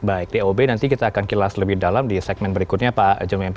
baik dob nanti kita akan kilas lebih dalam di segmen berikutnya pak jomimpi